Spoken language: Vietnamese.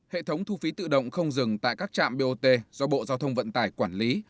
hệ thống thu phí tự động không dừng tại các trạm bot do bộ giao thông vận tải quản lý